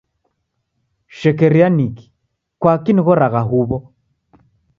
Shekeria ni kii? Kwaki nighoragha huw'o?